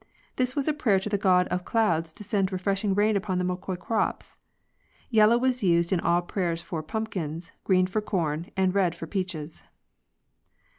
This was a prayer to the god of clouds to send refreshing rains upon the Moqui crops. Yellow was used in all prayers for pumpkins, green for corn, and red for peaches.